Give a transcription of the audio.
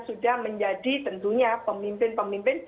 ini tentunya pemimpin pemimpin